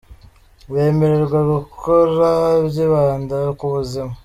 bemererwa gukora, byibanda ku ‘buzima.